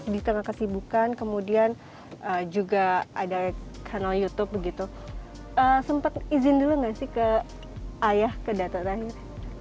di tengah kesibukan kemudian juga ada channel youtube begitu sempat izin dulu gak sih ke ayah ke dato tahir